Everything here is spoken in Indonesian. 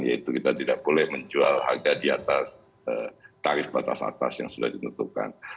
yaitu kita tidak boleh menjual harga di atas tarif batas atas yang sudah ditentukan